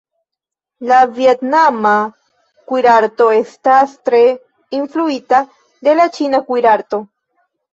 La vjetnama kuirarto estas tre influita de la ĉina kuirarto.